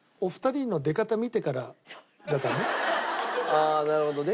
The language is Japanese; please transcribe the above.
ああなるほどね。